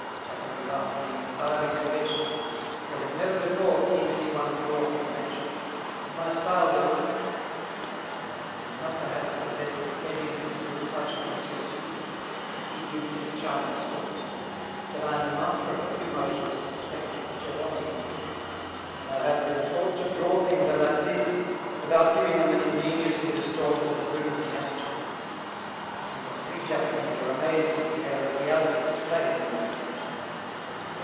Japanese art being entirely conventional, they have never before seen any one draw from nature, and my style delights them. I may not perhaps possess the steady and nimble touch of M. Sucre, as he groups his charming storks, but I am master of a few notions of perspective which are wanting in him; and I have been taught to draw things as I see them, without giving them an ingeniously distorted and grimacing attitudes; and the three Japanese are amazed at the air of reality displayed in my sketch.